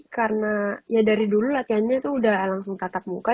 karena ya dari dulu latihannya itu udah langsung tatap muka